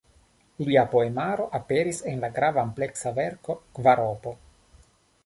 Lia poemaro aperis en la grava ampleksa verko "Kvaropo".